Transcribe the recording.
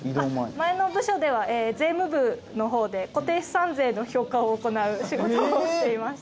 前の部署では税務部の方で固定資産税の評価を行う仕事をしていました。